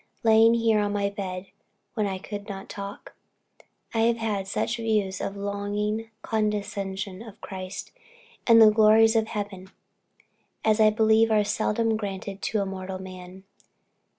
Lying here on my bed, when I could not talk, I have had such views of the loving condescension of Christ, and the glories of heaven, as I believe are seldom granted to mortal man.